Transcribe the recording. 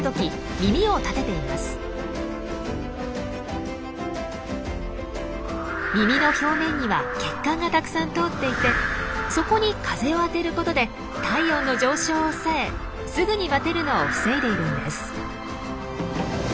耳の表面には血管がたくさん通っていてそこに風を当てることで体温の上昇を抑えすぐにバテるのを防いでいるんです。